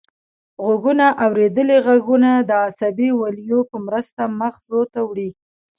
غوږونه اوریدلي غږونه د عصبي ولیو په مرسته مغزو ته وړي